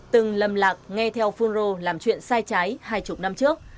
từng lầm lạc nghe theo phunro làm chuyện sai trái hai mươi năm trước